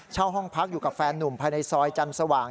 ห้องพักอยู่กับแฟนนุ่มภายในซอยจันทร์สว่าง